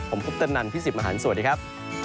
ผมพุทธนันทร์พี่สิบหมาหารสวัสดีครับ